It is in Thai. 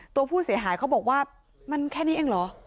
ตัวผู้เสียหายเขาบอกว่ามันแค่นี้เองเหรอ